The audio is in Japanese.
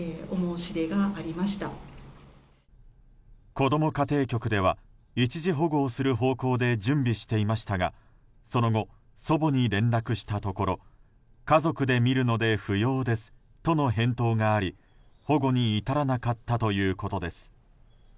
こども家庭局では一時保護をする方向で準備していましたがその後、祖母に連絡したところ家族で見るので不要ですとの返答があり保護に至らなかったということです。